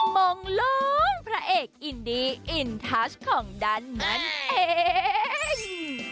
มงลงพระเอกอินดีอินทัชของดันนั่นเอง